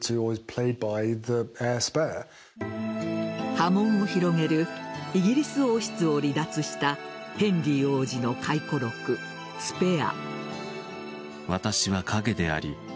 波紋を広げるイギリス王室を離脱したヘンリー王子の回顧録「スペア」